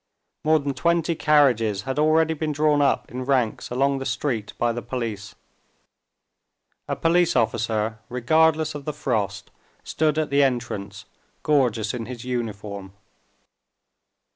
More than twenty carriages had already been drawn up in ranks along the street by the police. A police officer, regardless of the frost, stood at the entrance, gorgeous in his uniform.